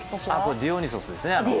「ディオニソス」ですね。